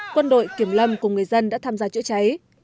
quân đội kiểm lâm cùng người dân đã tham gia chữa cháy